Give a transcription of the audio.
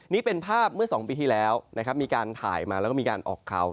นี่เป็นภาพเมื่อ๒ปีที่แล้วนะครับมีการถ่ายมาแล้วก็มีการออกข่าว